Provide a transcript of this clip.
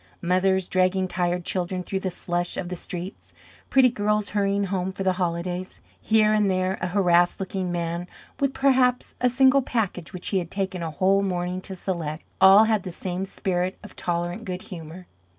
Mothers dragging tired children through the slush of the streets; pretty girls hurrying home for the holidays; here and there a harassed looking man with perhaps a single package which he had taken a whole morning to select all had the same spirit of tolerant good humor.